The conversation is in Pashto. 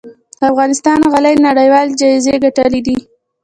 د افغانستان غالۍ نړیوال جایزې ګټلي دي